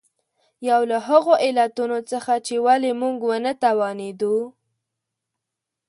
یو له هغو علتونو څخه چې ولې موږ ونه توانېدو.